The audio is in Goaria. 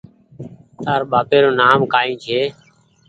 تاَر ٻهاپيرو نآم ڪائي ڇي